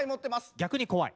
逆に怖い。